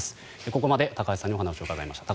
ここまで高橋さんにお話をお伺いしました。